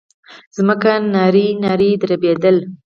ځمکه نرۍ نرۍ دربېدله.